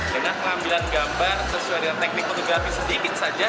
dengan pengambilan gambar sesuai dengan teknik fotografi sedikit saja